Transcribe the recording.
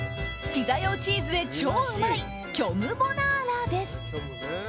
ピザ用チーズで超うまい虚無ボナーラです。